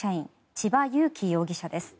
千葉裕生容疑者です。